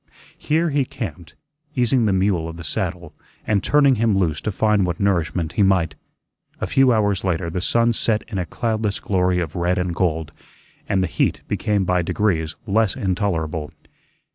Here he camped, easing the mule of the saddle, and turning him loose to find what nourishment he might. A few hours later the sun set in a cloudless glory of red and gold, and the heat became by degrees less intolerable.